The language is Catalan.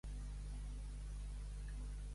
Viure de l'altar.